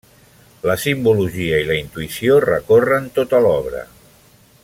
La simbologia i la intuïció recorren tota l'obra.